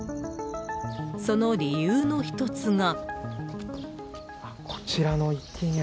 その理由の１つが。